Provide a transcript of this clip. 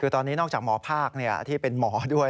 คือตอนนี้นอกจากหมอภาคที่เป็นหมอด้วย